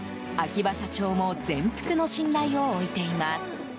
秋葉社長も全幅の信頼を置いています。